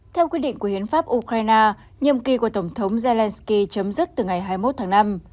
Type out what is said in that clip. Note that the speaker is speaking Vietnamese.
theo quyết định của hiến pháp ukraine nhiệm kỳ của tổng thống zelenskyy chấm dứt từ ngày hai mươi một tháng năm